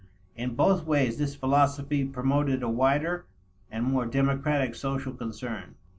In both ways, this philosophy promoted a wider and more democratic social concern.